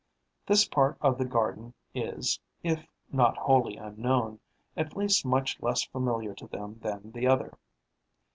This part of the garden is, if not wholly unknown, at least much less familiar to them than the other.